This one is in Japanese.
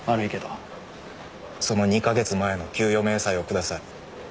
その２か月前の給与明細をください。